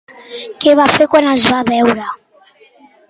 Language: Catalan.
Què va fer quan els va veure?